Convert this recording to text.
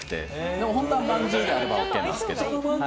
でも本当はまんじゅうであればＯＫなんですけど。